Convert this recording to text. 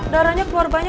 darahnya keluar banget